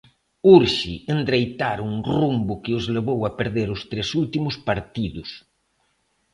Urxe endereitar un rumbo que os levou a perder os tres últimos partidos.